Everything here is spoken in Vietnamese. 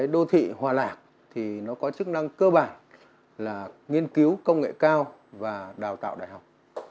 đô thị hòa lạc thì nó có chức năng cơ bản là nghiên cứu công nghệ cao và đào tạo đại học